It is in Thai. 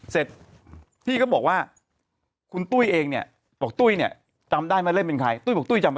เสร็จพี่ก็บอกว่าคุณตุ้ยเองเนี่ยบอกตุ้ยเนี่ยจำได้ไหมเล่นเป็นใครตุ้ยบอกตุ้ยจำไป